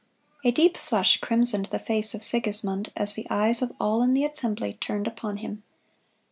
(140) A deep flush crimsoned the face of Sigismund as the eyes of all in the assembly turned upon him.